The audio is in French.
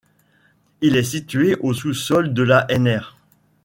Il est situé au sous-sol de la Nr.